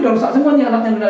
udah rusak semua nih